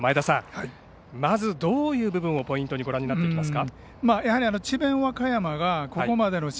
まず、どういう部分をポイントにご覧になっていきますか。